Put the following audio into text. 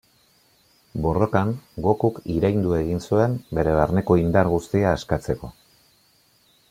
Borrokan Gokuk iraindu egin zuen bere barneko indar guztia askatzeko.